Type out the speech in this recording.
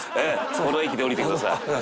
この駅で降りてください。